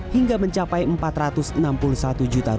hingga mencapai rp empat ratus enam puluh satu juta